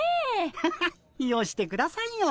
ハハッよしてくださいよ。